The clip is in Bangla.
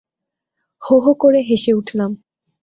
হো হো করে হেসে উঠলাম।